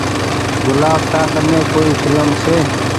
گلآب تا ڪني ڪوئي ڦلم ڇي۔